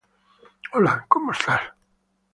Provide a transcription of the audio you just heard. Hola, ¿cómo estás?